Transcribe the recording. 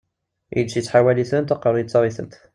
Iles ittḥawal-itent, aqerru yettaɣ-itent.